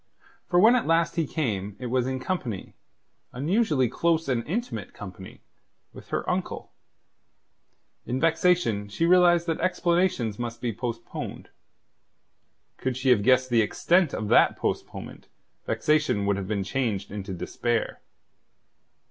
For when at last he came, it was in company unusually close and intimate company with her uncle. In vexation she realized that explanations must be postponed. Could she have guessed the extent of that postponement, vexation would have been changed into despair.